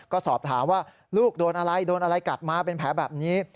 ก็สอบถามว่าลูกโดนอะไรโดนอะไรกัดมาเป็นแผลแบบนี้